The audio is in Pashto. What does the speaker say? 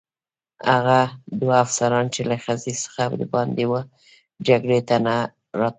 هغه دوه افسران چې له خزې څخه دباندې وه جګړې ته نه راوتل.